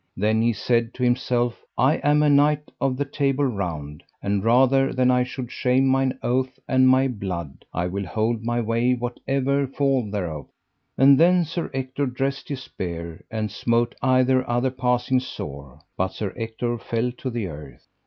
Then he said to himself: I am a knight of the Table Round, and rather than I should shame mine oath and my blood I will hold my way whatsoever fall thereof. And then Sir Ector dressed his spear, and smote either other passing sore, but Sir Ector fell to the earth.